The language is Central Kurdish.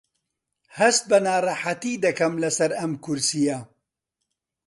هەست بە ناڕەحەتی دەکەم لەسەر ئەم کورسییە.